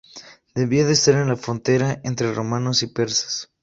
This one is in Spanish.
Debía de estar en la frontera entre romanos y persas.